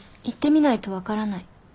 行ってみないと分からない。